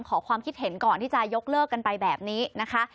ขอความคิดเห็นก่อนที่จะยกเลิกกันไปแบบนี้นะคะ